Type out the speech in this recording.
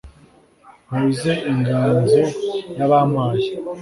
mpuze inganzo y'abampaye